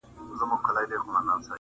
جوړ بيا کړي غزونې د وختونو چوپالونه